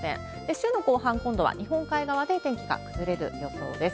週の後半、今度は日本海側で天気が崩れる予想です。